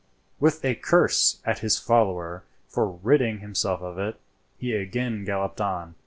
With a curse at his follower for ridding himself of it, he again galloped on.